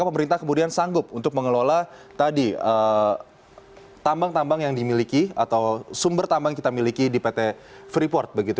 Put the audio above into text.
mengelola tadi tambang tambang yang dimiliki atau sumber tambang kita miliki di pt freeport